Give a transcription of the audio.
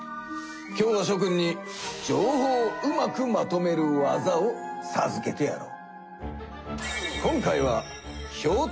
今日はしょ君に情報をうまくまとめる技をさずけてやろう。